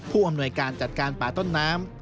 อำนวยการจัดการป่าต้นน้ำ